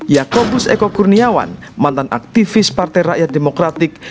yakobus eko kurniawan mantan aktivis partai rakyat demokratik